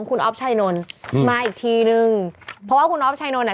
คุณอ๊อฟชัยนนท์มาอีกทีนึงเพราะว่าคุณอ๊อฟชัยนนท